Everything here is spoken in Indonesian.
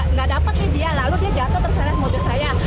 nggak dapat nih dia lalu dia jatuh terseret mobil saya